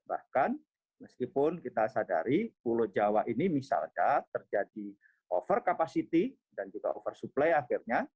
bahkan meskipun kita sadari pulau jawa ini misalnya terjadi over capacity dan juga oversupply akhirnya